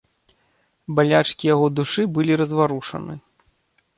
Балячкі яго душы былі разварушаны.